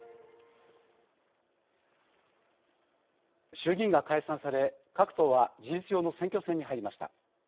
衆議院が解散され、各党は事実上の選挙戦に入りました。